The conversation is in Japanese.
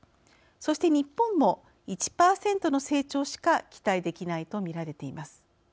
そして日本も１％の成長しか期待できないと見られています。